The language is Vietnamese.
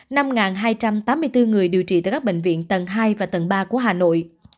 năm hai trăm tám mươi bốn người điều trị tại các bệnh viện tầng hai và tầng ba của hà nội